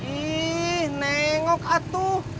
ih nengok atuh